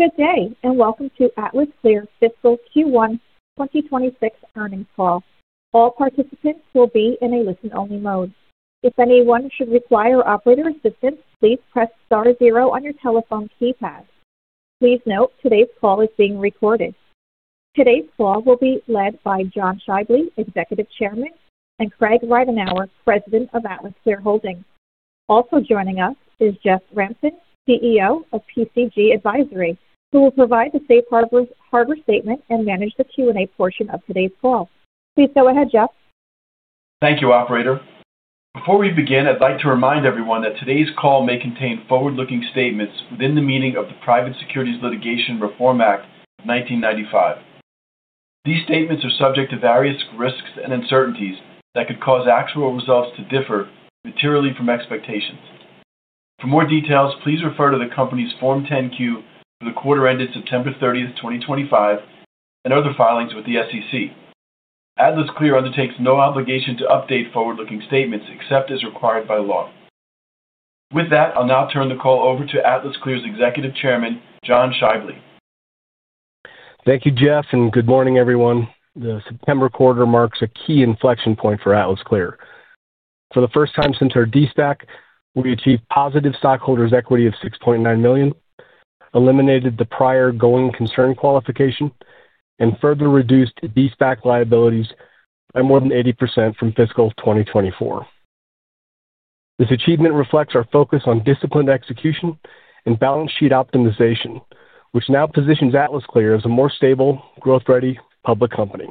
Good day and welcome to AtlasClear Fiscal Q1 2026 earnings call. All participants will be in a listen-only mode. If anyone should require operator assistance, please press star zero on your telephone keypad. Please note today's call is being recorded. Today's call will be led by John Shiveley, Executive Chairman, and Craig Ridenhour, President of AtlasClear Holdings. Also joining us is Jeff Ramson, CEO of PCG Advisory, who will provide the safe harbor statement and manage the Q&A portion of today's call. Please go ahead, Jeff. Thank you, Operator. Before we begin, I'd like to remind everyone that today's call may contain forward-looking statements within the meaning of the Private Securities Litigation Reform Act, 1995. These statements are subject to various risks and uncertainties that could cause actual results to differ materially from expectations. For more details, please refer to the company's Form 10Q for the quarter ended September 30, 2025, and other filings with the SEC. AtlasClear undertakes no obligation to update forward-looking statements except as required by law. With that, I'll now turn the call over to AtlasClear's Executive Chairman, John Shiveley. Thank you, Jeff, and good morning, everyone. The September quarter marks a key inflection point for AtlasClear. For the first time since our De-SPAC, we achieved positive stockholders' equity of $6.9 million, eliminated the prior going concern qualification, and further reduced De-SPAC liabilities by more than 80% from fiscal 2024. This achievement reflects our focus on disciplined execution and balance sheet optimization, which now positions AtlasClear as a more stable, growth-ready public company.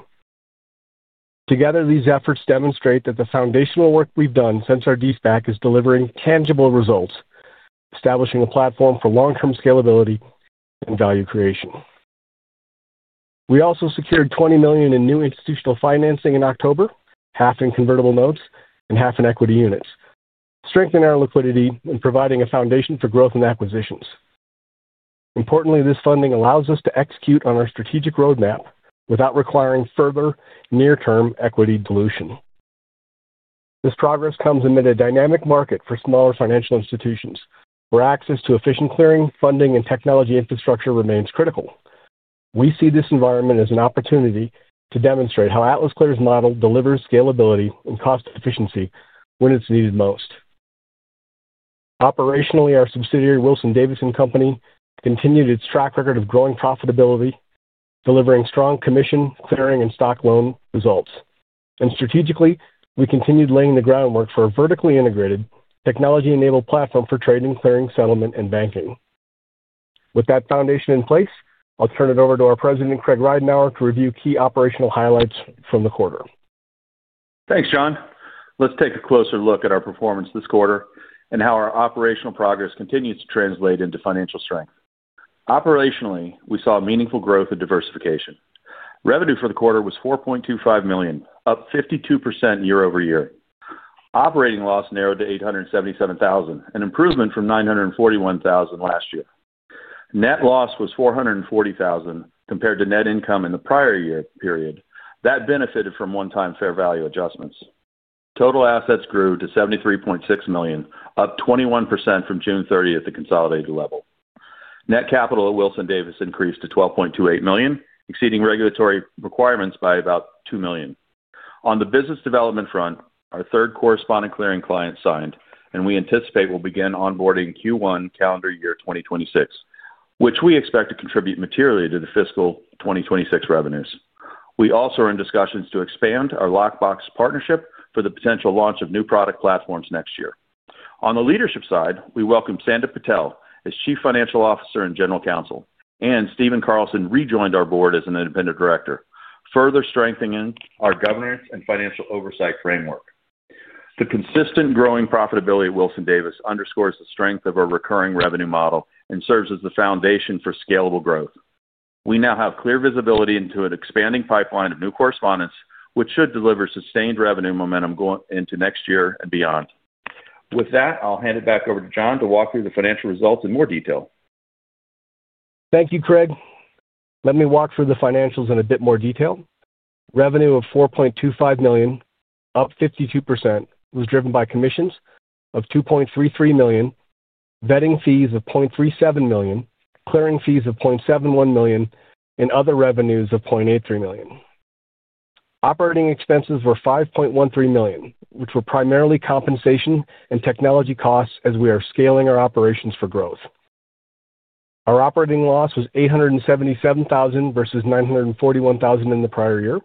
Together, these efforts demonstrate that the foundational work we have done since our De-SPAC is delivering tangible results, establishing a platform for long-term scalability and value creation. We also secured $20 million in new institutional financing in October, half in convertible notes and half in equity units, strengthening our liquidity and providing a foundation for growth and acquisitions. Importantly, this funding allows us to execute on our strategic roadmap without requiring further near-term equity dilution. This progress comes amid a dynamic market for smaller financial institutions where access to efficient clearing, funding, and technology infrastructure remains critical. We see this environment as an opportunity to demonstrate how AtlasClear's model delivers scalability and cost efficiency when it's needed most. Operationally, our subsidiary, Wilson-Davis & Co., continued its track record of growing profitability, delivering strong commission, clearing, and stock loan results. Strategically, we continued laying the groundwork for a vertically integrated, technology-enabled platform for trading, clearing, settlement, and banking. With that foundation in place, I'll turn it over to our President, Craig Ridenhour, to review key operational highlights from the quarter. Thanks, John. Let's take a closer look at our performance this quarter and how our operational progress continues to translate into financial strength. Operationally, we saw meaningful growth and diversification. Revenue for the quarter was $4.25 million, up 52% year-over-year. Operating loss narrowed to $877,000, an improvement from $941,000 last year. Net loss was $440,000 compared to net income in the prior year period that benefited from one-time fair value adjustments. Total assets grew to $73.6 million, up 21% from June 30th, the consolidated level. Net capital at Wilson-Davis & Co. increased to $12.28 million, exceeding regulatory requirements by about $2 million. On the business development front, our third correspondent clearing client signed, and we anticipate we'll begin onboarding Q1 calendar year 2026, which we expect to contribute materially to the fiscal 2026 revenues. We also are in discussions to expand our lockbox partnership for the potential launch of new product platforms next year. On the leadership side, we welcome Sandra Patel as Chief Financial Officer and General Counsel, and Steven Carlson rejoined our board as an independent director, further strengthening our governance and financial oversight framework. The consistent growing profitability at Wilson-Davis & Co. underscores the strength of our recurring revenue model and serves as the foundation for scalable growth. We now have clear visibility into an expanding pipeline of new correspondents, which should deliver sustained revenue momentum going into next year and beyond. With that, I'll hand it back over to John to walk through the financial results in more detail. Thank you, Craig. Let me walk through the financials in a bit more detail. Revenue of $4.25 million, up 52%, was driven by commissions of $2.33 million, vetting fees of $0.37 million, clearing fees of $0.71 million, and other revenues of $0.83 million. Operating expenses were $5.13 million, which were primarily compensation and technology costs as we are scaling our operations for growth. Our operating loss was $877,000 versus $941,000 in the prior year.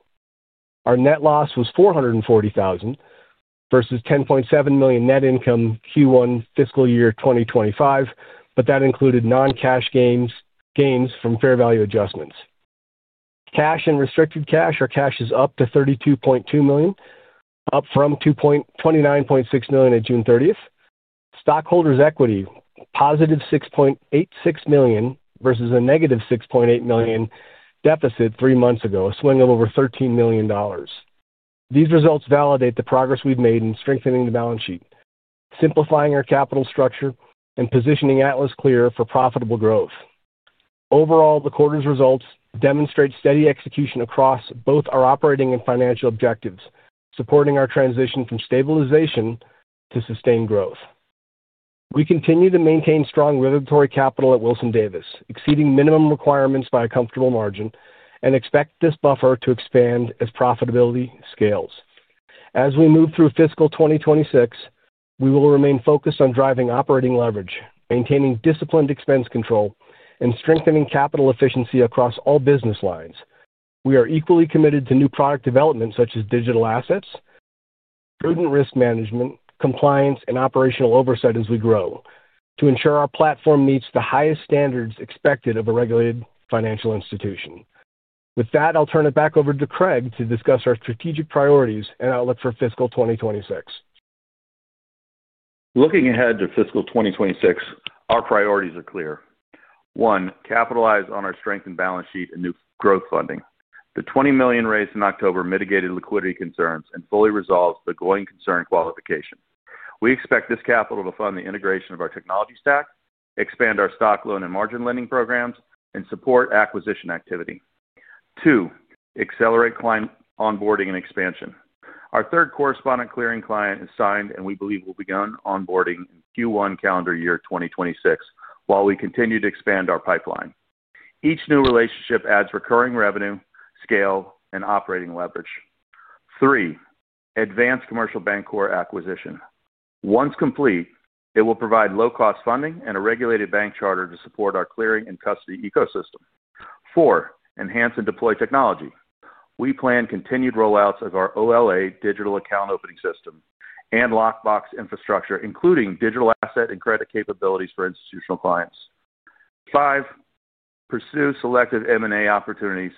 Our net loss was $440,000 versus $10.7 million net income Q1 fiscal year 2025, but that included non-cash gains from fair value adjustments. Cash and restricted cash are up to $32.2 million, up from $29.6 million at June 30th. Stockholders' equity, positive $6.86 million versus a negative $6.8 million deficit three months ago, a swing of over $13 million. These results validate the progress we've made in strengthening the balance sheet, simplifying our capital structure, and positioning AtlasClear for profitable growth. Overall, the quarter's results demonstrate steady execution across both our operating and financial objectives, supporting our transition from stabilization to sustained growth. We continue to maintain strong regulatory capital at Wilson-Davis & Co., exceeding minimum requirements by a comfortable margin, and expect this buffer to expand as profitability scales. As we move through fiscal 2026, we will remain focused on driving operating leverage, maintaining disciplined expense control, and strengthening capital efficiency across all business lines. We are equally committed to new product development such as digital assets, prudent risk management, compliance, and operational oversight as we grow to ensure our platform meets the highest standards expected of a regulated financial institution. With that, I'll turn it back over to Craig to discuss our strategic priorities and outlook for fiscal 2026. Looking ahead to fiscal 2026, our priorities are clear. One, capitalize on our strengthened balance sheet and new growth funding. The $20 million raised in October mitigated liquidity concerns and fully resolved the going concern qualification. We expect this capital to fund the integration of our technology stack, expand our stock loan and margin lending programs, and support acquisition activity. Two, accelerate client onboarding and expansion. Our third correspondent clearing client has signed, and we believe we will begin onboarding in Q1 calendar year 2026 while we continue to expand our pipeline. Each new relationship adds recurring revenue, scale, and operating leverage. Three, advance Commercial Bancorp acquisition. Once complete, it will provide low-cost funding and a regulated bank charter to support our clearing and custody ecosystem. Four, enhance and deploy technology. We plan continued rollouts of our OLA digital account opening system and lockbox infrastructure, including digital asset and credit capabilities for institutional clients. Five, pursue selective M&A opportunities.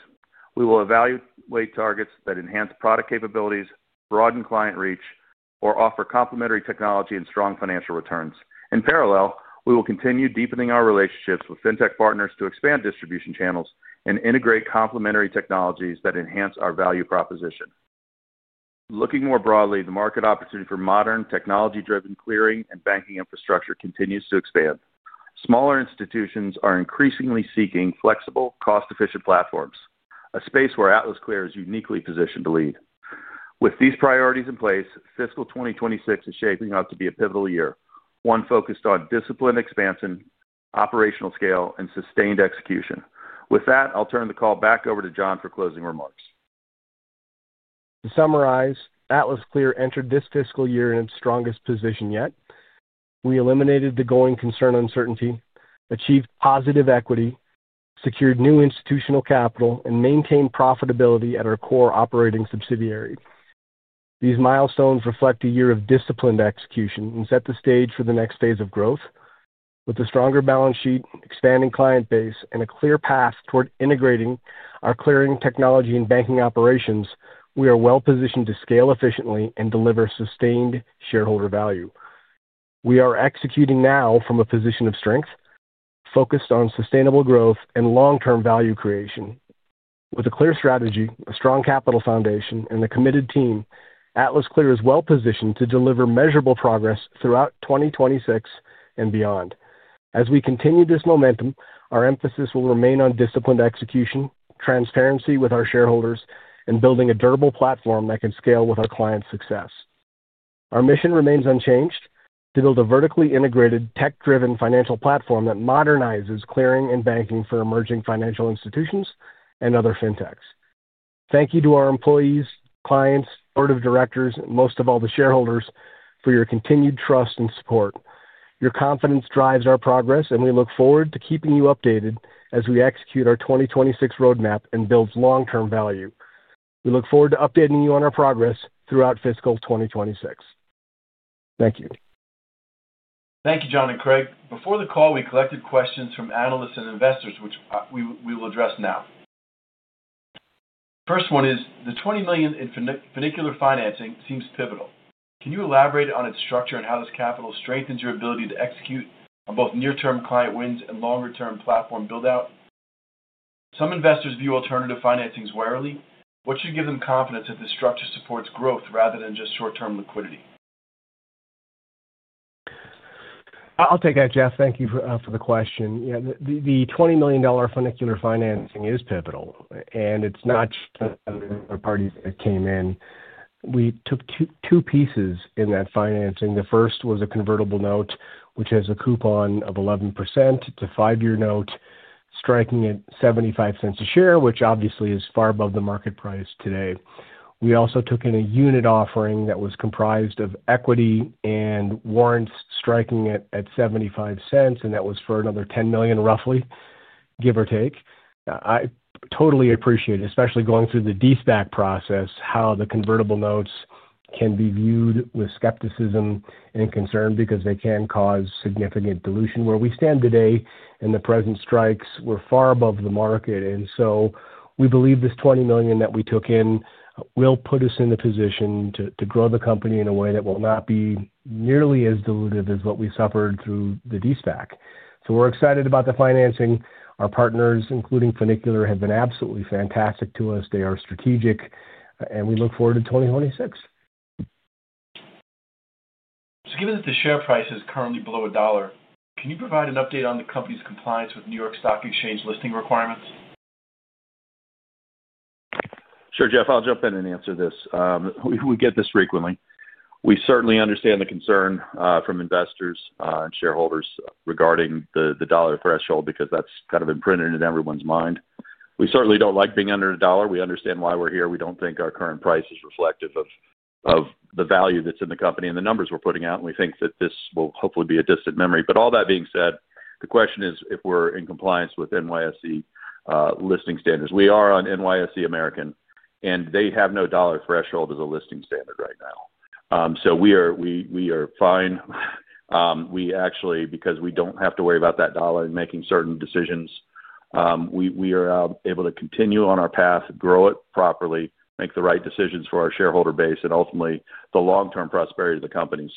We will evaluate targets that enhance product capabilities, broaden client reach, or offer complementary technology and strong financial returns. In parallel, we will continue deepening our relationships with fintech partners to expand distribution channels and integrate complementary technologies that enhance our value proposition. Looking more broadly, the market opportunity for modern technology-driven clearing and banking infrastructure continues to expand. Smaller institutions are increasingly seeking flexible, cost-efficient platforms, a space where AtlasClear is uniquely positioned to lead. With these priorities in place, fiscal 2026 is shaping up to be a pivotal year, one focused on disciplined expansion, operational scale, and sustained execution. With that, I'll turn the call back over to John for closing remarks. To summarize, AtlasClear entered this fiscal year in its strongest position yet. We eliminated the going concern uncertainty, achieved positive equity, secured new institutional capital, and maintained profitability at our core operating subsidiary. These milestones reflect a year of disciplined execution and set the stage for the next phase of growth. With a stronger balance sheet, expanding client base, and a clear path toward integrating our clearing technology and banking operations, we are well positioned to scale efficiently and deliver sustained shareholder value. We are executing now from a position of strength, focused on sustainable growth and long-term value creation. With a clear strategy, a strong capital foundation, and a committed team, AtlasClear is well positioned to deliver measurable progress throughout 2026 and beyond. As we continue this momentum, our emphasis will remain on disciplined execution, transparency with our shareholders, and building a durable platform that can scale with our clients' success. Our mission remains unchanged: to build a vertically integrated, tech-driven financial platform that modernizes clearing and banking for emerging financial institutions and other fintechs. Thank you to our employees, clients, board of directors, and most of all the shareholders for your continued trust and support. Your confidence drives our progress, and we look forward to keeping you updated as we execute our 2026 roadmap and build long-term value. We look forward to updating you on our progress throughout fiscal 2026. Thank you. Thank you, John and Craig. Before the call, we collected questions from analysts and investors, which we will address now. First one is, the $20 million in Funicular financing seems pivotal. Can you elaborate on its structure and how this capital strengthens your ability to execute on both near-term client wins and longer-term platform build-out? Some investors view alternative financing squarely. What should give them confidence that this structure supports growth rather than just short-term liquidity? I'll take that, Jeff. Thank you for the question. Yeah, the $20 million Funicular financing is pivotal, and it's not just other parties that came in. We took two pieces in that financing. The first was a convertible note, which has a coupon of 11% to five-year note, striking at $0.75 a share, which obviously is far above the market price today. We also took in a unit offering that was comprised of equity and warrants striking at $0.75, and that was for another $10 million, roughly, give or take. I totally appreciate, especially going through the De-SPAC process, how the convertible notes can be viewed with skepticism and concern because they can cause significant dilution. Where we stand today and the present strikes were far above the market, and we believe this $20 million that we took in will put us in the position to grow the company in a way that will not be nearly as diluted as what we suffered through the De-SPAC. We are excited about the financing. Our partners, including Funicular, have been absolutely fantastic to us. They are strategic, and we look forward to 2026. Given that the share price is currently below a dollar, can you provide an update on the company's compliance with New York Stock Exchange listing requirements? Sure, Jeff. I'll jump in and answer this. We get this frequently. We certainly understand the concern from investors and shareholders regarding the dollar threshold because that's kind of imprinted in everyone's mind. We certainly don't like being under a dollar. We understand why we're here. We don't think our current price is reflective of the value that's in the company and the numbers we're putting out, and we think that this will hopefully be a distant memory. All that being said, the question is if we're in compliance with NYSE listing standards. We are on NYSE American, and they have no dollar threshold as a listing standard right now. We are fine. We actually, because we do not have to worry about that dollar and making certain decisions, we are able to continue on our path, grow it properly, make the right decisions for our shareholder base, and ultimately the long-term prosperity of the company.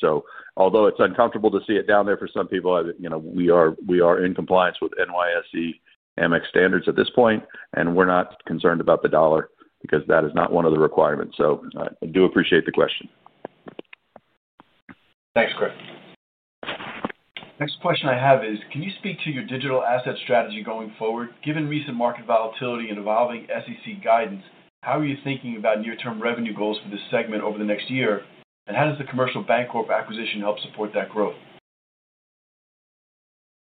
Although it is uncomfortable to see it down there for some people, we are in compliance with NYSE American standards at this point, and we are not concerned about the dollar because that is not one of the requirements. I do appreciate the question. Thanks, Craig. Next question I have is, can you speak to your digital asset strategy going forward? Given recent market volatility and evolving SEC guidance, how are you thinking about near-term revenue goals for this segment over the next year, and how does the Commercial Bancorp of Wyoming acquisition help support that growth?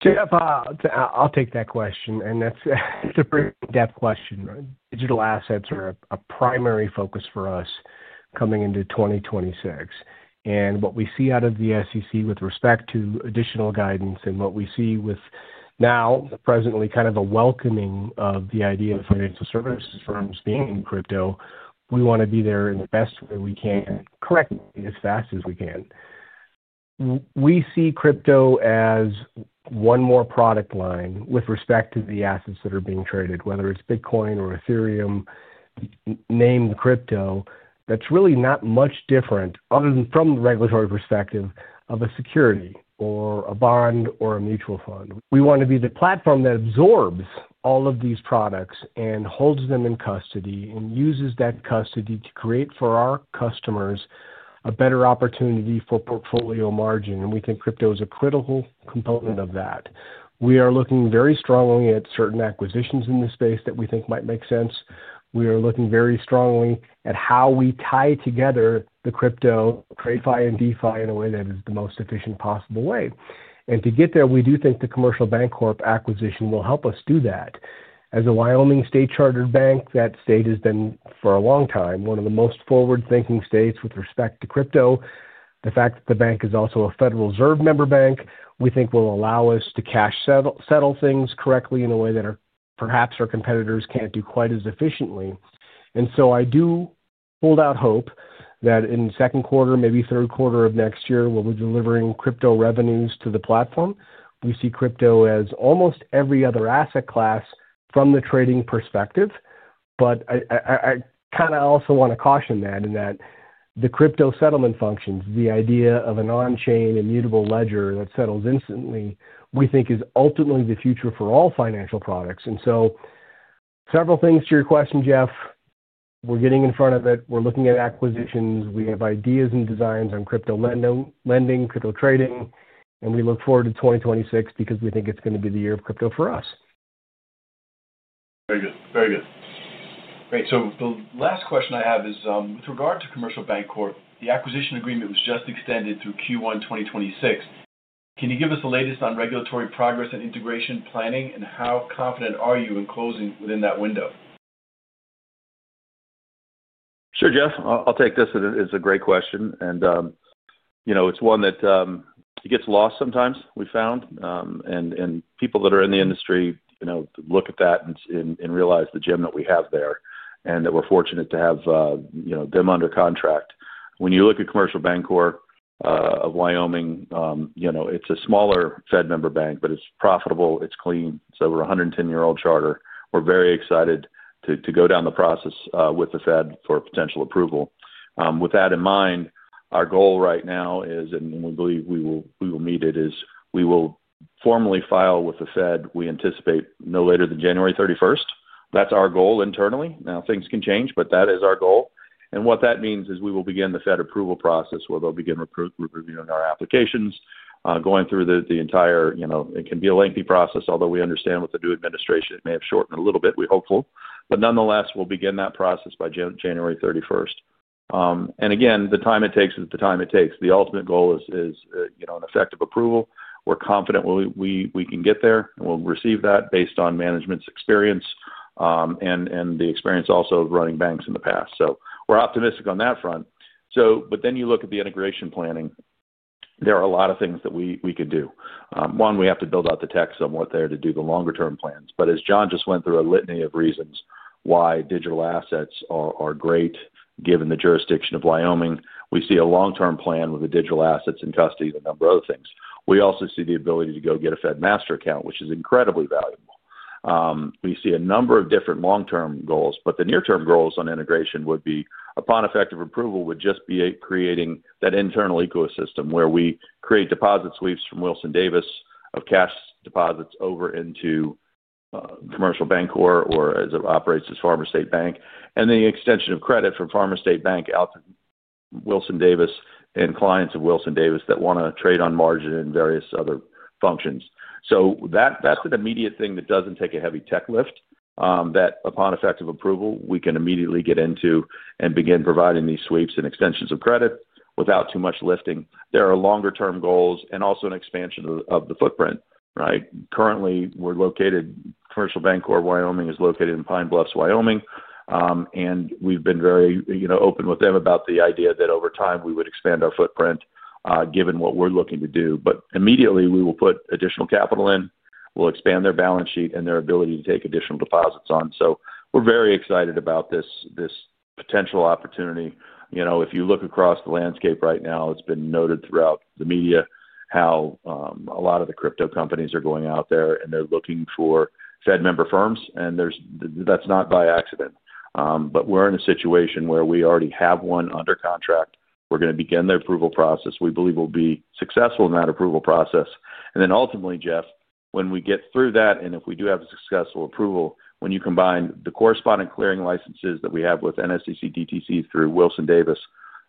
Jeff, I'll take that question, and that's a pretty in-depth question. Digital assets are a primary focus for us coming into 2026, and what we see out of the SEC with respect to additional guidance and what we see with now, presently kind of a welcoming of the idea of financial services firms being in crypto, we want to be there in the best way we can, correct me as fast as we can. We see crypto as one more product line with respect to the assets that are being traded, whether it's Bitcoin or Ethereum, name the crypto. That's really not much different from the regulatory perspective of a security or a bond or a mutual fund. We want to be the platform that absorbs all of these products and holds them in custody and uses that custody to create for our customers a better opportunity for portfolio margin, and we think crypto is a critical component of that. We are looking very strongly at certain acquisitions in this space that we think might make sense. We are looking very strongly at how we tie together the crypto, TradFi and DeFi in a way that is the most efficient possible way. To get there, we do think the Commercial Bancorp of Wyoming acquisition will help us do that. As a Wyoming state-chartered bank, that state has been for a long time one of the most forward-thinking states with respect to crypto. The fact that the bank is also a Federal Reserve member bank, we think will allow us to cash settle things correctly in a way that perhaps our competitors cannot do quite as efficiently. I do hold out hope that in second quarter, maybe third quarter of next year, we will be delivering crypto revenues to the platform. We see crypto as almost every other asset class from the trading perspective, but I kind of also want to caution that in that the crypto settlement functions, the idea of an on-chain immutable ledger that settles instantly, we think is ultimately the future for all financial products. Several things to your question, Jeff. We are getting in front of it. We are looking at acquisitions. We have ideas and designs on crypto lending, crypto trading, and we look forward to 2026 because we think it's going to be the year of crypto for us. Very good. Very good. Great. The last question I have is, with regard to Commercial Bancorp, the acquisition agreement was just extended through Q1 2026. Can you give us the latest on regulatory progress and integration planning, and how confident are you in closing within that window? Sure, Jeff. I'll take this. It's a great question, and it's one that gets lost sometimes, we found, and people that are in the industry look at that and realize the gem that we have there and that we're fortunate to have them under contract. When you look at Commercial Bancorp of Wyoming, it's a smaller Fed member bank, but it's profitable. It's clean. So we're a 110-year-old charter. We're very excited to go down the process with the Fed for potential approval. With that in mind, our goal right now is, and we believe we will meet it, is we will formally file with the Fed. We anticipate no later than January 31. That's our goal internally. Now, things can change, but that is our goal. What that means is we will begin the Fed approval process where they'll begin reviewing our applications, going through the entire, it can be a lengthy process, although we understand with the new administration it may have shortened a little bit, we're hopeful. Nonetheless, we'll begin that process by January 31. Again, the time it takes is the time it takes. The ultimate goal is an effective approval. We're confident we can get there, and we'll receive that based on management's experience and the experience also of running banks in the past. We're optimistic on that front. You look at the integration planning, there are a lot of things that we could do. One, we have to build out the tech somewhat there to do the longer-term plans. As John just went through a litany of reasons why digital assets are great given the jurisdiction of Wyoming, we see a long-term plan with the digital assets in custody and a number of other things. We also see the ability to go get a Fed Master Account, which is incredibly valuable. We see a number of different long-term goals, but the near-term goals on integration would be, upon effective approval, just creating that internal ecosystem where we create deposit sweeps from Wilson-Davis & Co. of cash deposits over into Commercial Bancorp of Wyoming or as it operates as Farmer State Bank, and the extension of credit from Farmer State Bank out to Wilson-Davis & Co. and clients of Wilson-Davis & Co. that want to trade on margin and various other functions. That is an immediate thing that does not take a heavy tech lift, that upon effective approval, we can immediately get into and begin providing these sweeps and extensions of credit without too much lifting. There are longer-term goals and also an expansion of the footprint, right? Currently, Commercial Bancorp Wyoming is located in Pine Bluffs, Wyoming, and we have been very open with them about the idea that over time we would expand our footprint given what we are looking to do. Immediately, we will put additional capital in, we will expand their balance sheet and their ability to take additional deposits on. We are very excited about this potential opportunity. If you look across the landscape right now, it has been noted throughout the media how a lot of the crypto companies are going out there and they are looking for Fed member firms, and that is not by accident. We're in a situation where we already have one under contract. We're going to begin the approval process. We believe we'll be successful in that approval process. Ultimately, Jeff, when we get through that and if we do have a successful approval, when you combine the correspondent clearing licenses that we have with NSCC, DTC through Wilson-Davis,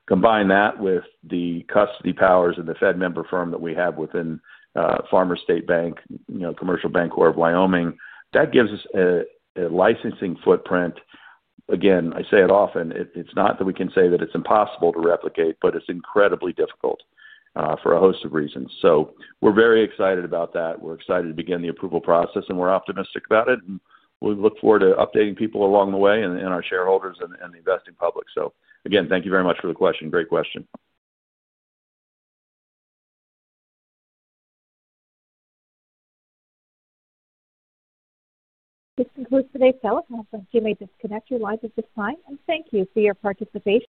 combine that with the custody powers of the Fed member firm that we have within Farmers State Bank, Commercial Bancorp of Wyoming, that gives us a licensing footprint. Again, I say it often, it's not that we can say that it's impossible to replicate, but it's incredibly difficult for a host of reasons. We're very excited about that. We're excited to begin the approval process, and we're optimistic about it, and we look forward to updating people along the way and our shareholders and the investing public. Again, thank you very much for the question. Great question. This concludes today's teleconference. You may disconnect your lines at this time, and thank you for your participation.